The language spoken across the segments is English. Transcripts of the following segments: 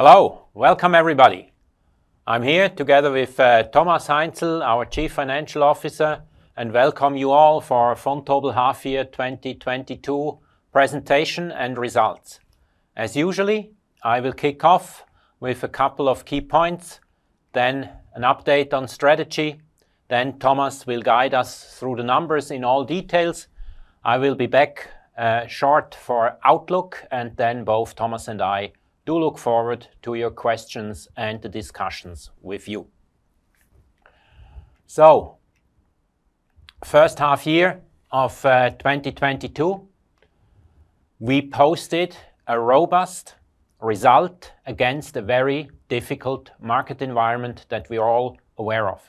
Hello. Welcome, everybody. I'm here together with Thomas Heinzl, our Chief Financial Officer, and welcome you all for our Vontobel half year 2022 presentation and results. As usual, I will kick off with a couple of key points, then an update on strategy, then Thomas will guide us through the numbers in all details. I will be back short for outlook, and then both Thomas and I do look forward to your questions and the discussions with you. First half year of 2022, we posted a robust result against a very difficult market environment that we're all aware of.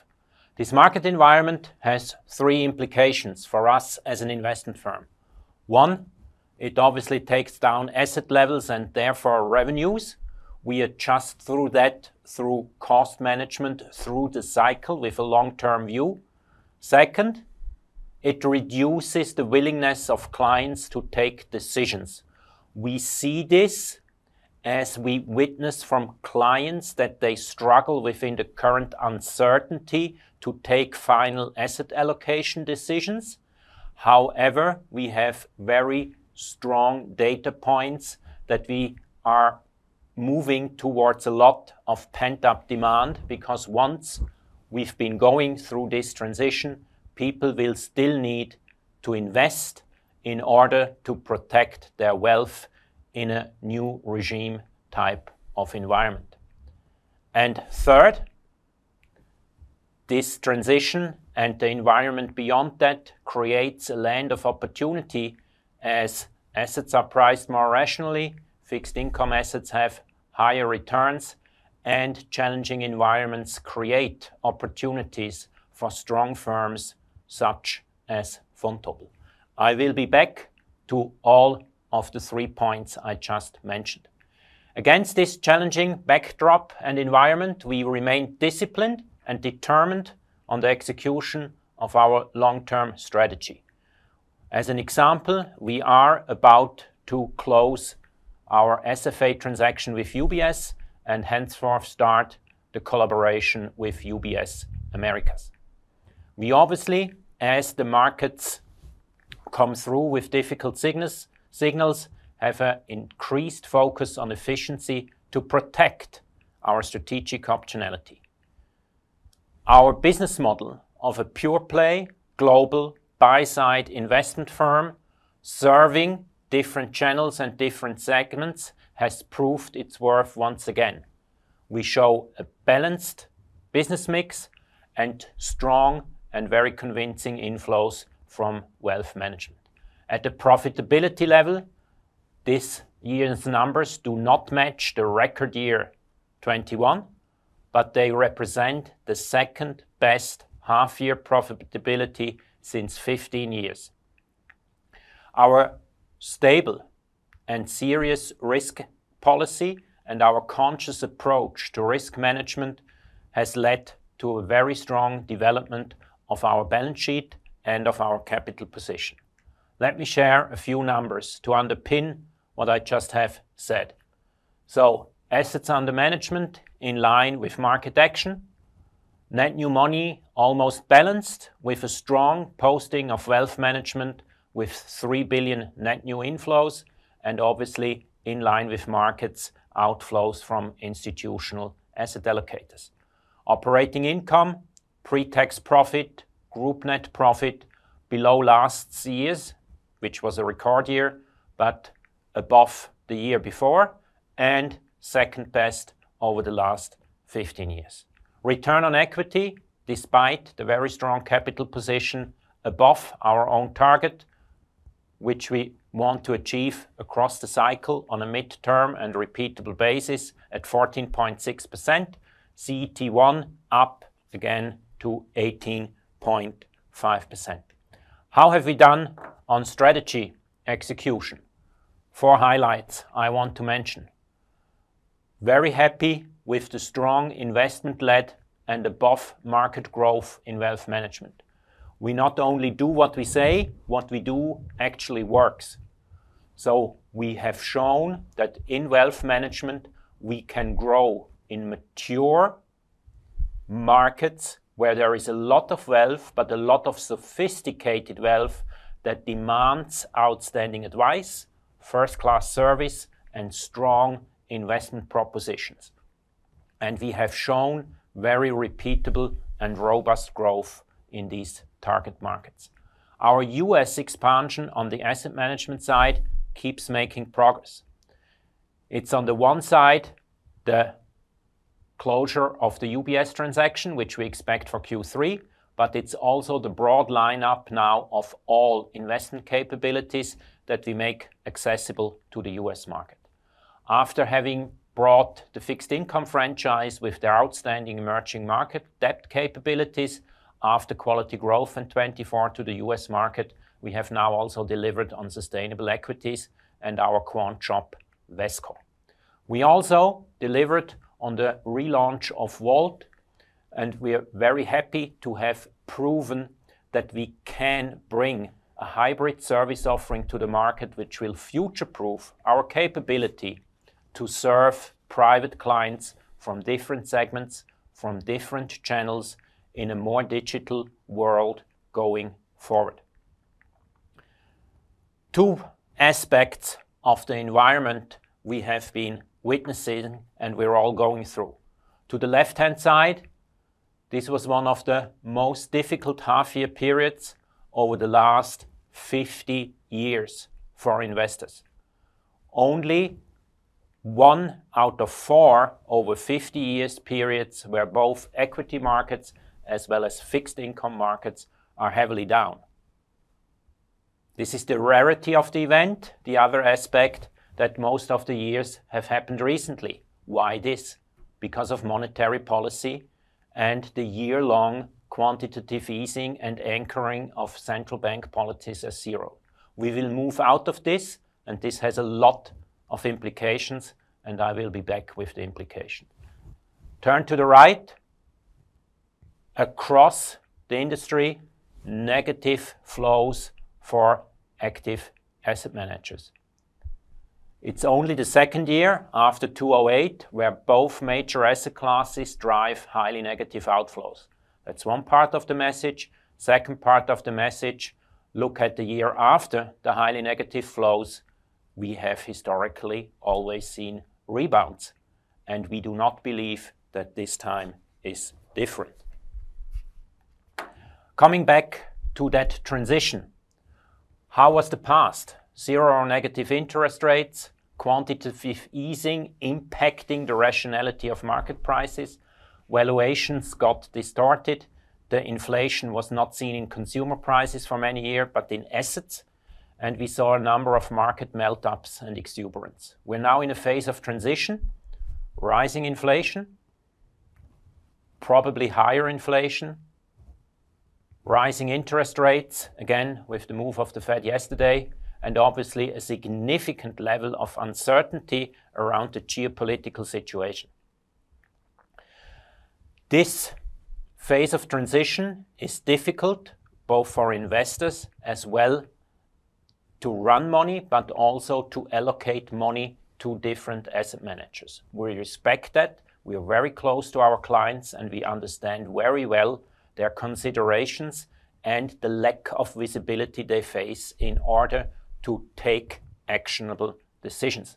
This market environment has three implications for us as an investment firm. One, it obviously takes down asset levels and therefore revenues. We adjust through that through cost management through the cycle with a long-term view. Second, it reduces the willingness of clients to take decisions. We see this as we witness from clients that they struggle within the current uncertainty to take final asset allocation decisions. However, we have very strong data points that we are moving towards a lot of pent-up demand because once we've been going through this transition, people will still need to invest in order to protect their wealth in a new regime type of environment. Third, this transition and the environment beyond that creates a land of opportunity as assets are priced more rationally, fixed income assets have higher returns, and challenging environments create opportunities for strong firms such as Vontobel. I will be back to all of the three points I just mentioned. Against this challenging backdrop and environment, we remain disciplined and determined on the execution of our long-term strategy. As an example, we are about to close our SFA transaction with UBS and, henceforth, start the collaboration with UBS Americas. We obviously, as the markets come through with difficult signals, have an increased focus on efficiency to protect our strategic optionality. Our business model of a pure-play global buy-side investment firm serving different channels and different segments has proved its worth once again. We show a balanced business mix and strong and very convincing inflows from wealth management. At the profitability level, this year's numbers do not match the record year 2021, but they represent the second-best half-year profitability since 15 years. Our stable and serious risk policy and our conscious approach to risk management has led to a very strong development of our balance sheet and of our capital position. Let me share a few numbers to underpin what I just have said. Assets under management in line with market action. Net new money almost balanced with a strong posting of wealth management with 3 billion net new inflows, and obviously in line with markets outflows from institutional asset allocators. Operating income, pre-tax profit, group net profit below last year's, which was a record year, but above the year before, and second-best over the last 15 years. Return on equity, despite the very strong capital position above our own target, which we want to achieve across the cycle on a midterm and repeatable basis at 14.6%, CET1 up again to 18.5%. How have we done on strategy execution? Four highlights I want to mention. Very happy with the strong investment-led and above-market growth in wealth management. We not only do what we say, what we do actually works. We have shown that in wealth management, we can grow in mature markets where there is a lot of wealth, but a lot of sophisticated wealth that demands outstanding advice, first-class service, and strong investment propositions. We have shown very repeatable and robust growth in these target markets. Our U.S. expansion on the asset management side keeps making progress. It's on the one side, the closure of the UBS transaction, which we expect for Q3, but it's also the broad line-up now of all investment capabilities that we make accessible to the U.S. market. After having brought the fixed income franchise with their outstanding emerging market debt capabilities, Quality Growth, and TwentyFour to the U.S. market, we have now also delivered on sustainable equities and our Quant Shop Vescore. We also delivered on the relaunch of Volt. We are very happy to have proven that we can bring a hybrid service offering to the market, which will future-proof our capability to serve private clients from different segments, from different channels in a more digital world going forward. Two aspects of the environment we have been witnessing, and we're all going through. To the left-hand side, this was one of the most difficult half-year periods over the last 50 years for investors. Only 1 out of 4 over 50-year periods where both equity markets as well as fixed income markets are heavily down. This is the rarity of the event. The other aspect that most of the years have happened recently. Why this? Because of monetary policy and the year-long quantitative easing and anchoring of central bank policies at zero. We will move out of this, and this has a lot of implications, and I will be back with the implication. Turn to the right. Across the industry, negative flows for active asset managers. It's only the second year after 2008 where both major asset classes drive highly negative outflows. That's one part of the message. Second part of the message, look at the year after the highly negative flows, we have historically always seen rebounds, and we do not believe that this time is different. Coming back to that transition, how was the past? Zero or negative interest rates, quantitative easing impacting the rationality of market prices. Valuations got distorted. The inflation was not seen in consumer prices for many years, but in assets, and we saw a number of market melt-ups and exuberance. We're now in a phase of transition, rising inflation, probably higher inflation, rising interest rates, again, with the move of the Fed yesterday, and obviously a significant level of uncertainty around the geopolitical situation. This phase of transition is difficult both for investors as well to run money, but also to allocate money to different asset managers. We respect that. We are very close to our clients, and we understand very well their considerations and the lack of visibility they face in order to take actionable decisions.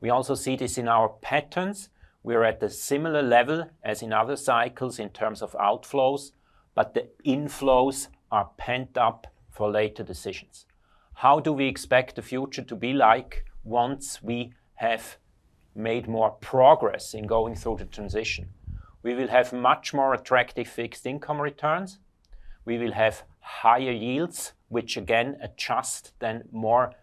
We also see this in our patterns. We're at a similar level as in other cycles in terms of outflows, but the inflows are pent up for later decisions. How do we expect the future to be like once we have made more progress in going through the transition? We will have much more attractive fixed-income returns. We will have higher yields, which again adjust then more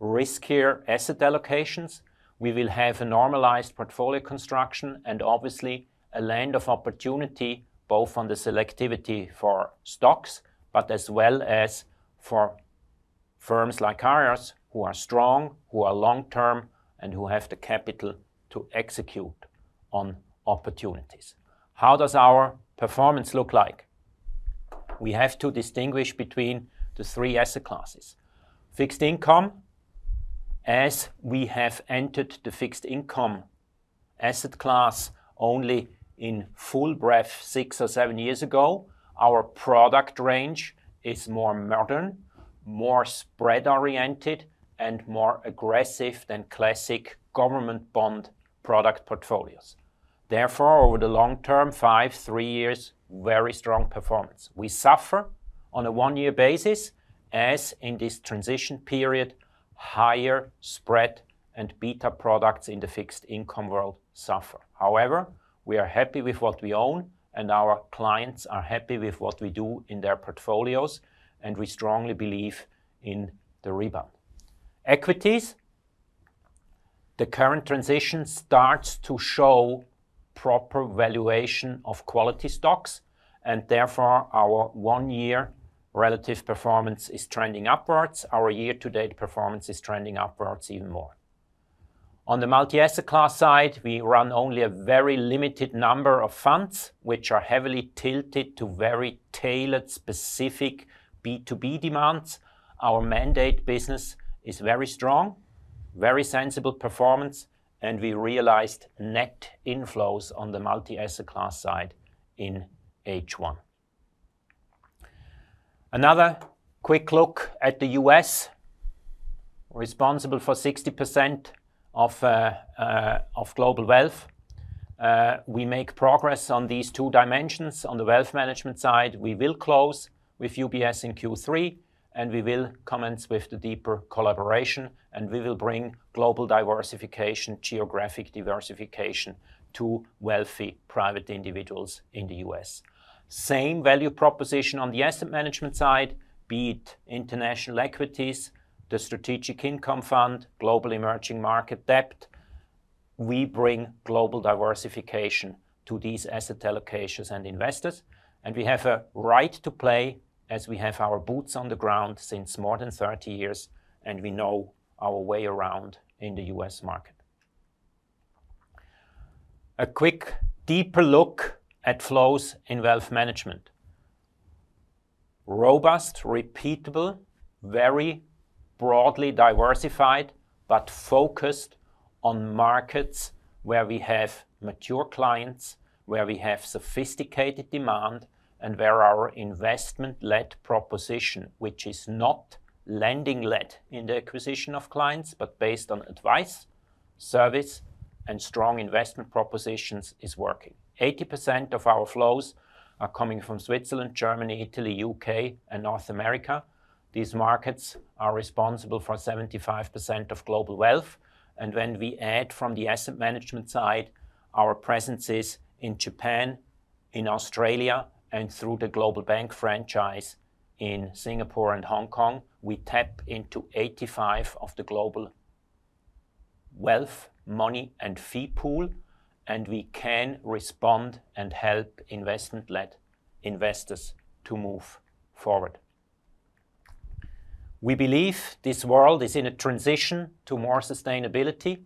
riskier asset allocations. We will have a normalized portfolio construction and obviously a land of opportunity, both on the selectivity for stocks, but as well as for firms like ours who are strong, who are long-term, and who have the capital to execute on opportunities. How does our performance look like? We have to distinguish between the three asset classes. Fixed income, as we have entered the fixed income asset class only in full breadth six or seven years ago, our product range is more modern, more spread-oriented, and more aggressive than classic government bond product portfolios. Therefore, over the long term, five, three years, very strong performance. We suffer on a one-year basis, as in this transition period, higher spread and beta products in the fixed income world suffer. However, we are happy with what we own, and our clients are happy with what we do in their portfolios, and we strongly believe in the rebound. Equities, the current transition starts to show proper valuation of quality stocks, and therefore, our one-year relative performance is trending upwards. Our year-to-date performance is trending upwards even more. On the multi-asset class side, we run only a very limited number of funds, which are heavily tilted to very tailored, specific B2B demands. Our mandate business is very strong, very sensible performance, and we realized net inflows on the multi-asset class side in H1. Another quick look at the U.S., responsible for 60% of global wealth. We make progress on these two dimensions. On the wealth management side, we will close with UBS in Q3, and we will commence with the deeper collaboration, and we will bring global diversification, geographic diversification to wealthy private individuals in the U.S. Same value proposition on the asset management side, be it international equities, the Strategic Income Fund, Global Emerging Markets Debt. We bring global diversification to these asset allocations and investors, and we have a right to play as we have our boots on the ground since more than 30 years, and we know our way around in the U.S. market. A quick, deeper look at flows in wealth management. Robust, repeatable, very broadly diversified, but focused on markets where we have mature clients, where we have sophisticated demand, and where our investment-led proposition, which is not lending-led in the acquisition of clients, but based on advice, service, and strong investment propositions, is working. 80% of our flows are coming from Switzerland, Germany, Italy, U.K., and North America. These markets are responsible for 75% of global wealth. When we add from the asset management side, our presences in Japan, in Australia, and through the global bank franchise in Singapore and Hong Kong, we tap into 85% of the global wealth, money, and fee pool, and we can respond and help investment-led investors to move forward. We believe this world is in a transition to more sustainability,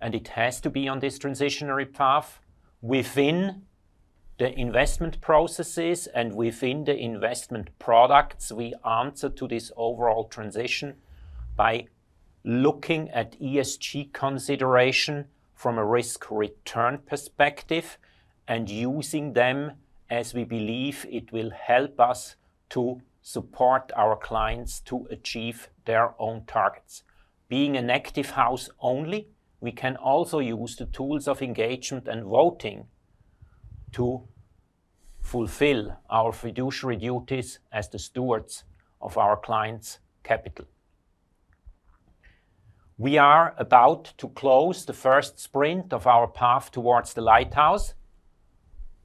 and it has to be on this transitionary path. Within the investment processes and within the investment products, we answer to this overall transition by looking at ESG consideration from a risk-return perspective, and using them as we believe it will help us to support our clients to achieve their own targets. Being an active house only, we can also use the tools of engagement and voting to fulfill our fiduciary duties as the stewards of our clients' capital. We are about to close the first sprint of our path towards the Lighthouse.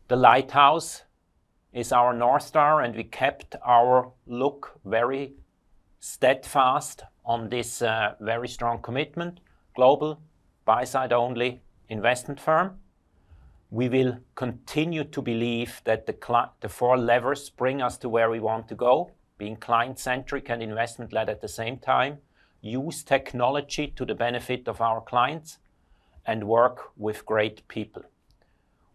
The Lighthouse is our North Star, and we kept our look very steadfast on this, very strong commitment, global buy-side only investment firm. We will continue to believe that the four levers bring us to where we want to go, being client-centric and investment-led at the same time, use technology to the benefit of our clients, and work with great people.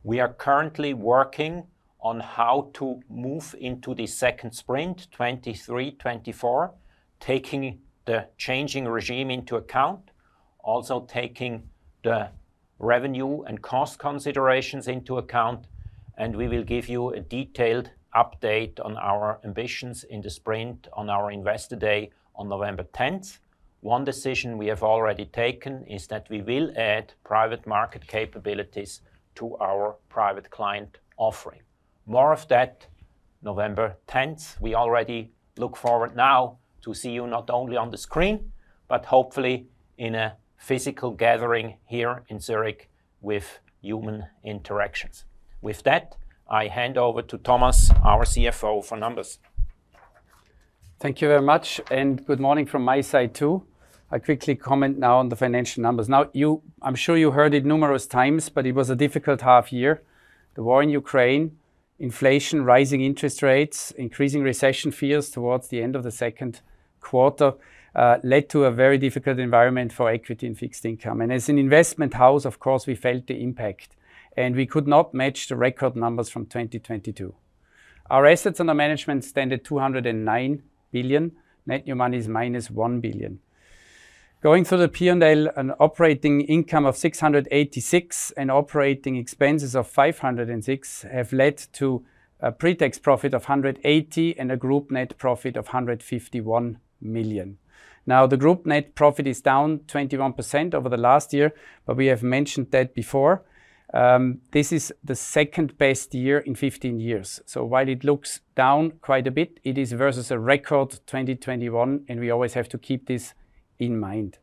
We are currently working on how to move into the second sprint, 2023, 2024, taking the changing regime into account, also taking the revenue and cost considerations into account, and we will give you a detailed update on our ambitions in the sprint on our Investor Day on November tenth. One decision we have already taken is that we will add private market capabilities to our private client offering. More of that November tenth. We already look forward now to see you not only on the screen, but hopefully in a physical gathering here in Zurich with human interactions. With that, I hand over to Thomas, our CFO, for numbers. Thank you very much, and good morning from my side, too. I quickly comment now on the financial numbers. Now, you I'm sure you heard it numerous times, but it was a difficult half year. The war in Ukraine, inflation, rising interest rates, increasing recession fears towards the end of the second quarter led to a very difficult environment for equity and fixed income. As an investment house, of course, we felt the impact, and we could not match the record numbers from 2022. Our assets under management stand at 209 billion. Net new money is minus 1 billion. Going through the P&L, an operating income of 686 million and operating expenses of 506 million have led to a pre-tax profit of 180 million and a group net profit of 151 million. Now, the group net profit is down 21% over the last year, but we have mentioned that before. This is the second-best year in 15 years. While it looks down quite a bit, it is versus a record 2021, and we always have to keep this in mind.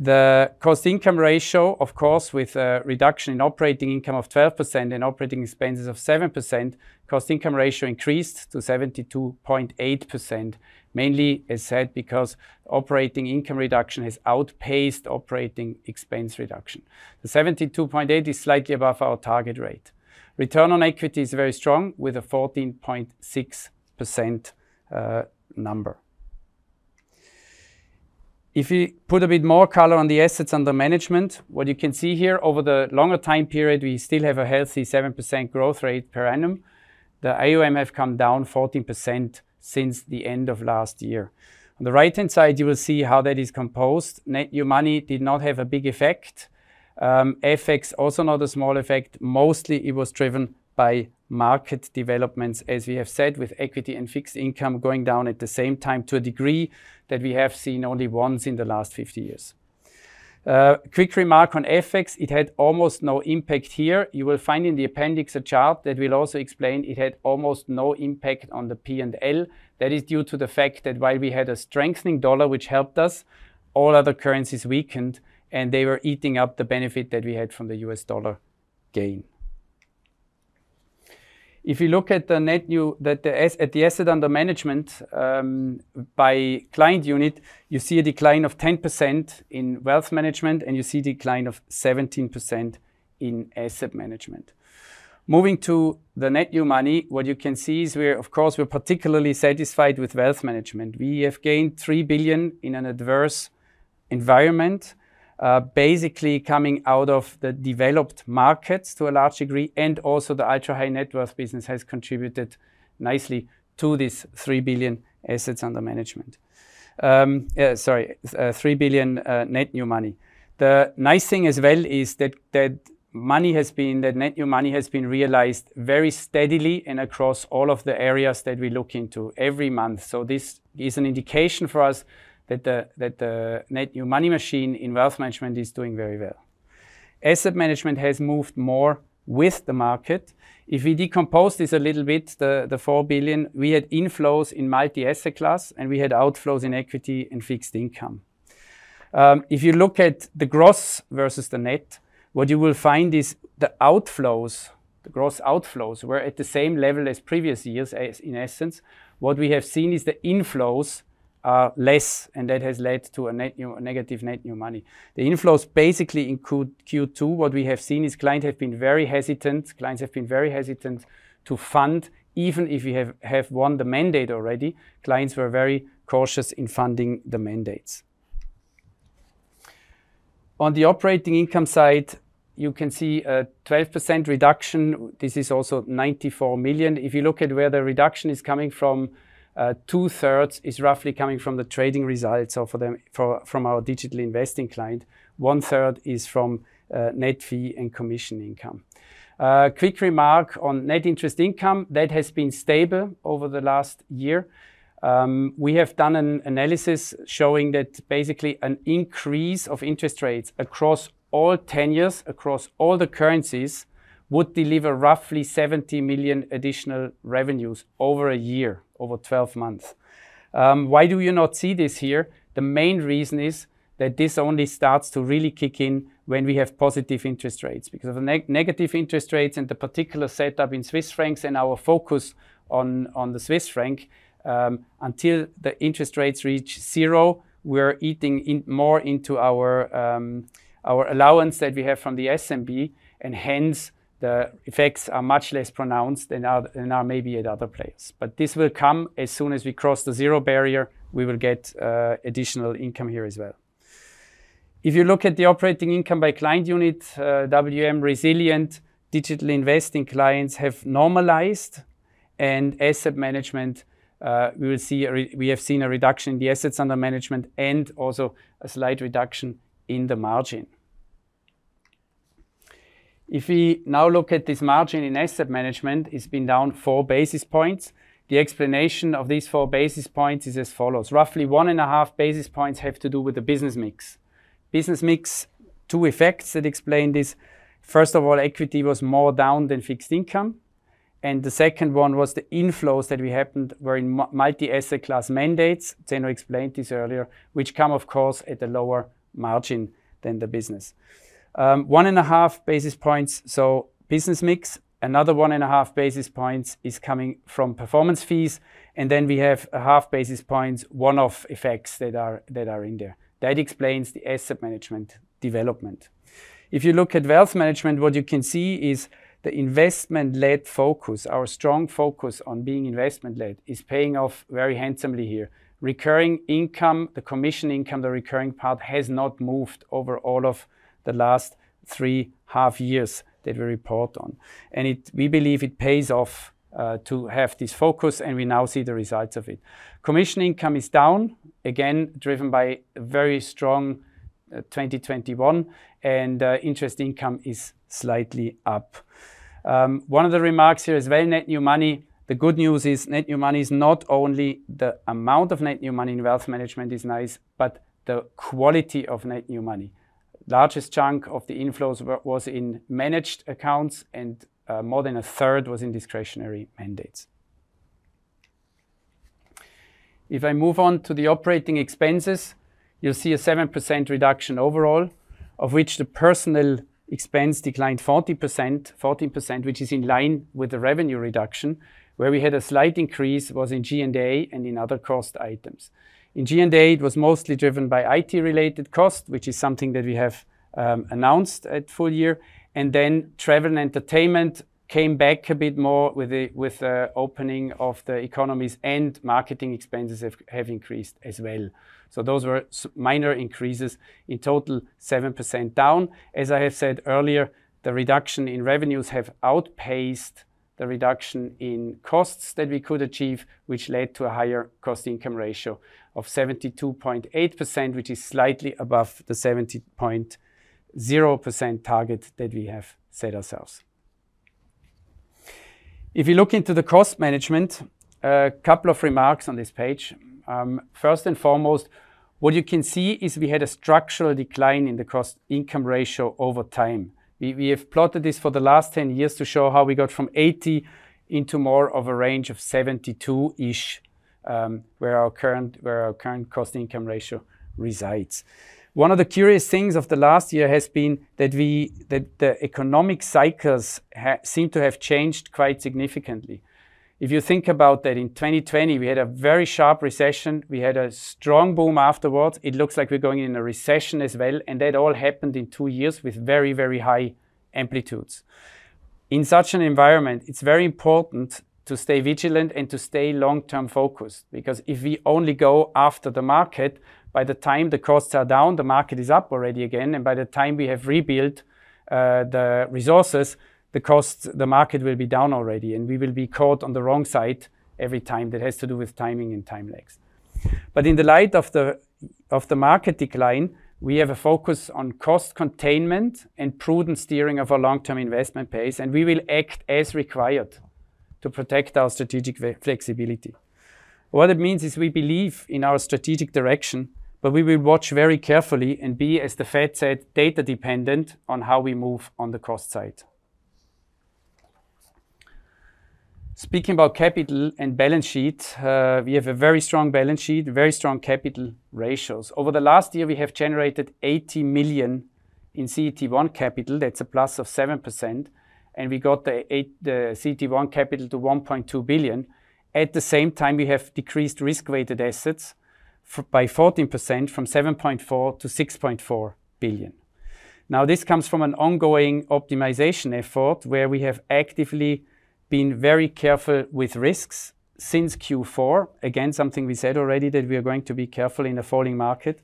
The cost-income ratio, of course, with a reduction in operating income of 12% and operating expenses of 7%, cost-income ratio increased to 72.8%, mainly, as said, because operating income reduction has outpaced operating expense reduction. The 72.8% is slightly above our target rate. Return on equity is very strong, with a 14.6% number. If you put a bit more color on the assets under management, what you can see here, over the longer time period, we still have a healthy 7% growth rate per annum. The AUM have come down 14% since the end of last year. On the right-hand side, you will see how that is composed. Net new money did not have a big effect. FX also not a small effect. Mostly, it was driven by market developments, as we have said, with equity and fixed income going down at the same time to a degree that we have seen only once in the last 50 years. Quick remark on FX. It had almost no impact here. You will find in the appendix a chart that will also explain it had almost no impact on the P&L. That is due to the fact that while we had a strengthening dollar, which helped us, all other currencies weakened, and they were eating up the benefit that we had from the U.S. dollar gain. If you look at the assets under management by client unit, you see a decline of 10% in wealth management, and you see decline of 17% in asset management. Moving to the net new money, what you can see is we're, of course, particularly satisfied with wealth management. We have gained 3 billion in an adverse environment, basically coming out of the developed markets to a large degree, and also the ultra-high net worth business has contributed nicely to this 3 billion net new money. The nice thing as well is that net new money has been realized very steadily and across all of the areas that we look into every month. This is an indication for us that the net new money machine in wealth management is doing very well. Asset management has moved more with the market. If we decompose this a little bit, the 4 billion we had inflows in multi-asset class, and we had outflows in equity and fixed income. If you look at the gross versus the net, what you will find is the outflows, the gross outflows were at the same level as previous years, as in essence. What we have seen is the inflows are less, and that has led to a negative net new money. The inflows basically include Q2. What we have seen is clients have been very hesitant. Clients have been very hesitant to fund, even if you have won the mandate already, clients were very cautious in funding the mandates. On the operating income side, you can see a 12% reduction. This is also 94 million. If you look at where the reduction is coming from, two-thirds is roughly coming from the trading results from our digital investing client. One-third is from net fee and commission income. Quick remark on net interest income, that has been stable over the last year. We have done an analysis showing that basically an increase of interest rates across all tenors, across all the currencies would deliver roughly 70 million additional revenues over a year, over 12 months. Why do you not see this here? The main reason is that this only starts to really kick in when we have positive interest rates. Because of the negative interest rates and the particular setup in Swiss francs and our focus on the Swiss franc, until the interest rates reach zero, we're eating more into our allowance that we have from the SNB, and hence the effects are much less pronounced than others are maybe at other places. This will come as soon as we cross the zero barrier; we will get additional income here as well. If you look at the operating income by client unit, WM resilient, digital investing clients have normalized, and asset management, we have seen a reduction in the assets under management and also a slight reduction in the margin. If we now look at this margin in asset management, it's been down four basis points. The explanation of these four basis points is as follows. Roughly one and a half basis points have to do with the business mix. Business mix, two effects that explain this. First of all, equity was more down than fixed income, and the second one was the inflows that happened were in multi-asset class mandates. Zeno explained this earlier, which come, of course, at a lower margin than the business. 1.5 basis points, so business mix, another 1.5 basis points is coming from performance fees, and then we have a 0.5 Basis points, one-off effects that are, that are in there. That explains the asset management development. If you look at wealth management, what you can see is the investment-led focus. Our strong focus on being investment-led is paying off very handsomely here. Recurring income, the commission income, the recurring part, has not moved over all of the last three half-years that we report on. We believe it pays off to have this focus, and we now see the results of it. Commission income is down, again, driven by a very strong 2021, and interest income is slightly up. One of the remarks here is very net new money. The good news is net new money is not only the amount of net new money in wealth management is nice, but the quality of net new money. Largest chunk of the inflows was in managed accounts, and more than a third was in discretionary mandates. If I move on to the operating expenses, you'll see a 7% reduction overall, of which the personnel expense declined 40%, 40% which is in line with the revenue reduction. Where we had a slight increase was in G&A and in other cost items. In G&A, it was mostly driven by IT-related costs, which is something that we have announced at full year. Travel and entertainment came back a bit more with the opening of the economies, and marketing expenses have increased as well. Those were minor increases. In total, 7% down. As I have said earlier, the reduction in revenues have outpaced the reduction in costs that we could achieve, which led to a higher cost-income ratio of 72.8%, which is slightly above the 70.0% target that we have set ourselves. If you look into the cost management, a couple of remarks on this page. First and foremost, what you can see is we had a structural decline in the cost-income ratio over time. We have plotted this for the last 10 years to show how we got from 80% into more of a range of 72-ish%, where our current cost-income ratio resides. One of the curious things of the last year has been that the economic cycles seem to have changed quite significantly. If you think about that in 2020, we had a very sharp recession. We had a strong boom afterwards. It looks like we're going into a recession as well, and that all happened in two years with very, very high amplitudes. In such an environment, it's very important to stay vigilant and to stay long-term focused, because if we only go after the market, by the time the costs are down, the market is up already again, and by the time we have rebuilt the resources, the costs, the market will be down already, and we will be caught on the wrong side every time that has to do with timing and time lags. In the light of the market decline, we have a focus on cost containment and prudent steering of our long-term investment pace, and we will act as required to protect our strategic flexibility. What it means is we believe in our strategic direction, but we will watch very carefully and be, as the Fed said, data dependent on how we move on the cost side. Speaking about capital and balance sheet, we have a very strong balance sheet, very strong capital ratios. Over the last year, we have generated 80 million in CET1 capital. That's a plus of 7%, and we got the CET1 capital to 1.2 billion. At the same time, we have decreased risk-weighted assets by 14% from 7.4 billion to 6.4 billion. Now, this comes from an ongoing optimization effort where we have actively been very careful with risks since Q4, again, something we said already that we are going to be careful in a falling market,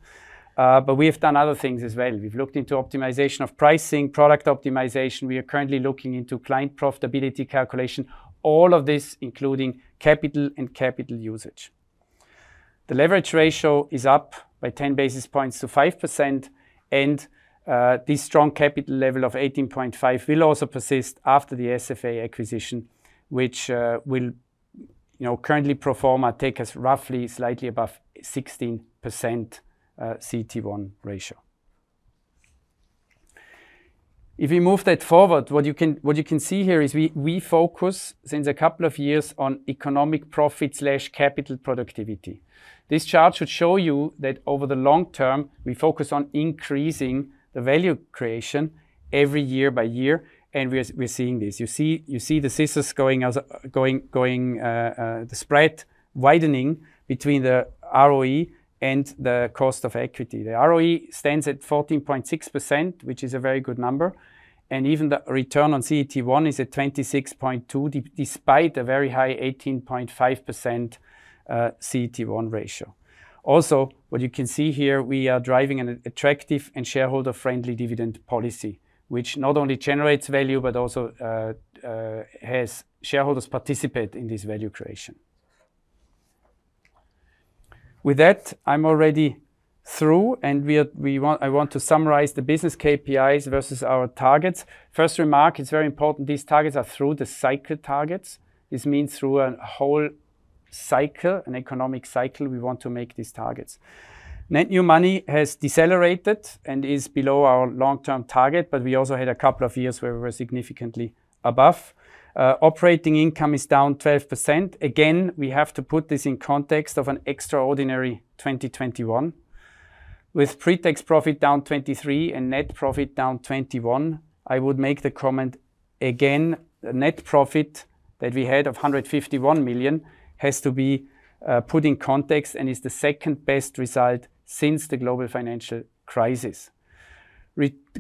but we have done other things as well. We've looked into optimization of pricing, product optimization. We are currently looking into client profitability calculation, all of this including capital and capital usage. The leverage ratio is up by 10 basis points to 5%, and this strong capital level of 18.5 will also persist after the SFA acquisition, which will, you know, currently pro forma take us roughly slightly above 16%, CET1 ratio. If we move that forward, what you can see here is we focus since a couple of years on economic profit/capital productivity. This chart should show you that over the long term, we focus on increasing the value creation every year by year, and we're seeing this. You see the scissors going, the spread widening between the ROE and the cost of equity. The ROE stands at 14.6%, which is a very good number, and even the return on CET1 is at 26.2% despite a very high 18.5% CET1 ratio. Also, what you can see here, we are driving an attractive and shareholder-friendly dividend policy, which not only generates value but also has shareholders participate in this value creation. With that, I'm already through, and I want to summarize the business KPIs versus our targets. First remark, it's very important these targets are through-the-cycle targets. This means through a whole cycle, an economic cycle, we want to make these targets. Net new money has decelerated and is below our long-term target, but we also had a couple of years where we were significantly above. Operating income is down 12%. Again, we have to put this in context of an extraordinary 2021. With pretax profit down 23% and net profit down 21%, I would make the comment again, the net profit that we had of 151 million has to be put in context and is the second-best result since the global financial crisis.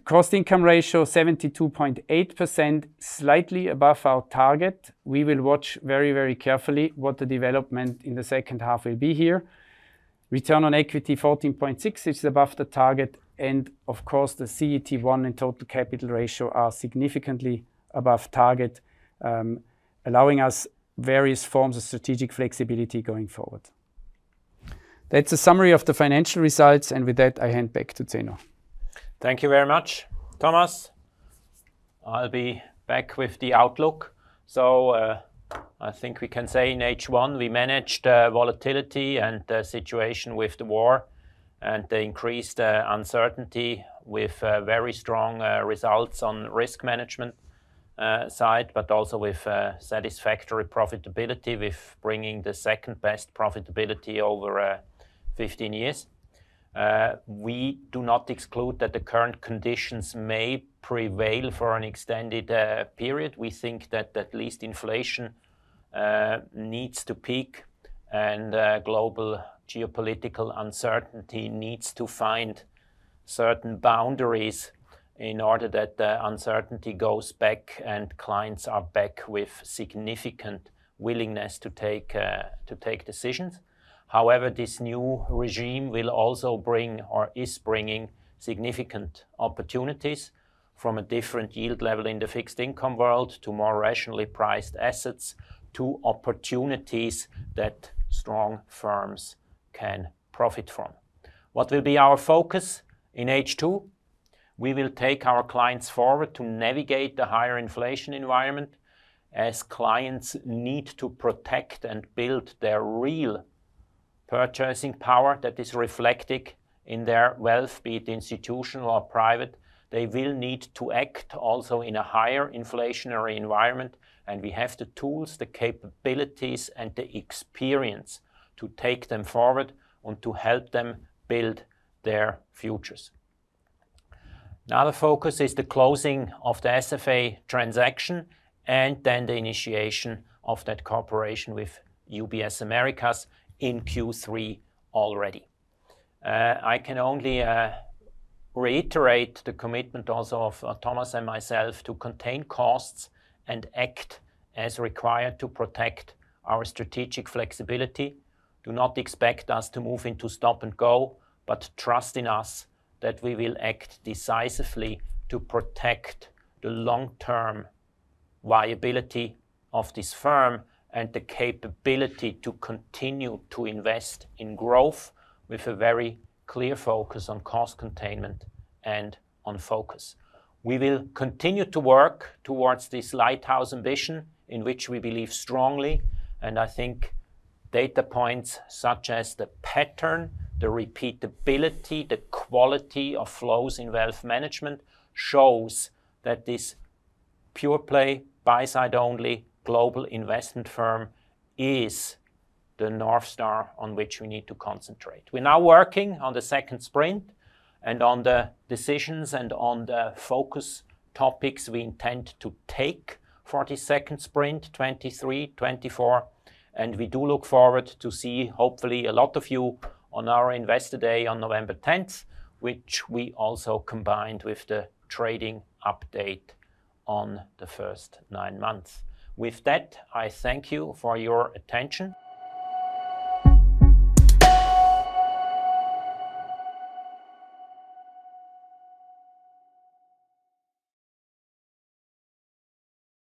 Cost-income ratio, 72.8%, slightly above our target. We will watch very, very carefully what the development in the second half will be here. Return on equity, 14.6%, is above the target, and of course, the CET1 and total capital ratio are significantly above target, allowing us various forms of strategic flexibility going forward. That's a summary of the financial results, and with that, I hand back to Zeno. Thank you very much, Thomas. I'll be back with the outlook. I think we can say in H1 we managed volatility and the situation with the war and the increased uncertainty with very strong results on risk management side, but also with satisfactory profitability with bringing the second-best profitability over 15 years. We do not exclude that the current conditions may prevail for an extended period. We think that at least inflation needs to peak and global geopolitical uncertainty needs to find certain boundaries in order that the uncertainty goes back and clients are back with significant willingness to take decisions. However, this new regime will also bring or is bringing significant opportunities from a different yield level in the fixed income world to more rationally priced assets to opportunities that strong firms can profit from. What will be our focus in H2? We will take our clients forward to navigate the higher inflation environment, as clients need to protect and build their real purchasing power that is reflected in their wealth, be it institutional or private. They will need to act also in a higher inflationary environment, and we have the tools, the capabilities, and the experience to take them forward and to help them build their futures. Another focus is the closing of the SFA transaction and then the initiation of that cooperation with UBS Americas in Q3 already. I can only reiterate the commitment also of Thomas and myself to contain costs and act as required to protect our strategic flexibility. Do not expect us to move into stop and go, but trust in us that we will act decisively to protect the long-term viability of this firm and the capability to continue to invest in growth with a very clear focus on cost containment and on focus. We will continue to work towards this Lighthouse ambition in which we believe strongly, and I think data points such as the pattern, the repeatability, the quality of flows in wealth management shows that this pure play, buy-side-only global investment firm is the North Star on which we need to concentrate. We're now working on the second sprint and on the decisions and on the focus topics we intend to take for the second sprint, 2023, 2024, and we do look forward to see hopefully a lot of you on our Investor Day on November 10th, which we also combined with the trading update on the first nine months. With that, I thank you for your attention.